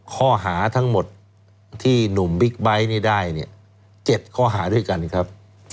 ข้อหาทั้งหมดที่หนุ่มบิ๊กไบท์นี่ได้๗ข้อหาด้วยกันครับ